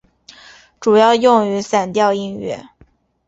主要用于散调音乐。